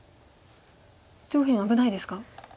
上辺危ないですか？